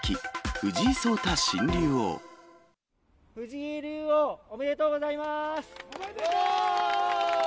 藤井竜王、おめでとうございおめでとう！